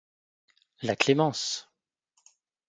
La clémence!